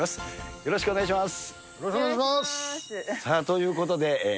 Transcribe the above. よろしくお願いします。